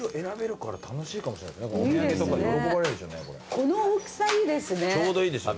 この大きさいいですね。